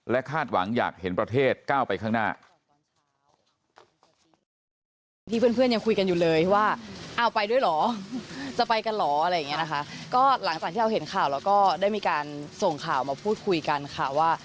คาดหวังอยากเห็นประเทศก้าวไปข้างหน้า